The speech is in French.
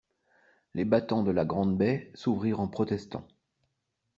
Les battants de la grande baie s’ouvrirent en protestant.